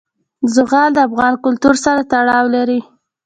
زغال د افغان کلتور سره تړاو لري.